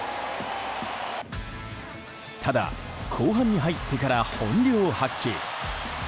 ただ、後半に入ってから本領発揮。